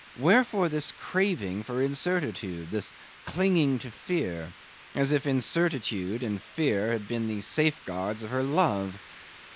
Wherefore this craving for incertitude, this clinging to fear, as if incertitude and fear had been the safeguards of her love.